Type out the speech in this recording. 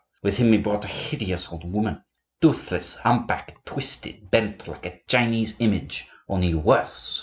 With him he brought a hideous old woman,—toothless, humpbacked, twisted, bent, like a Chinese image, only worse.